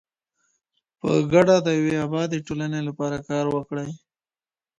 په ګډه د یوې ابادې ټولني لپاره کار وکړئ.